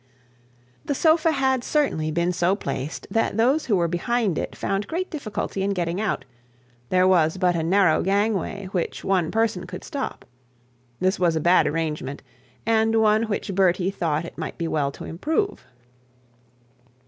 The sofa had certainly been so placed that those who were behind it found great difficulty in getting out; there was but a narrow gangway, which one person could stop. This was a bad arrangement, and one which Bertie thought it might be well to improve.